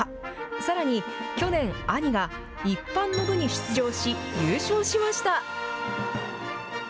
さらに去年、兄が一般の部に出場し、優勝しました。